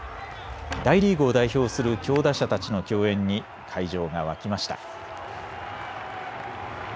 大リーグを代表する強打者たちの競演に会場が沸きました。